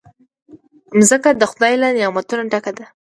مځکه د خدای له نعمتونو ډکه ده.